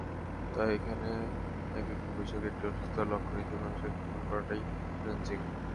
তাই এখানে একে ঘুম-বিষয়ক একটি অসুস্থতার লক্ষণ হিসেবে মানুষকে সচেতন করাটাই চ্যালেঞ্জিং।